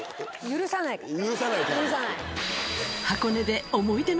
許さないから。